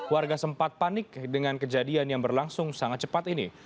warga sempat panik dengan kejadian yang berlangsung sangat cepat ini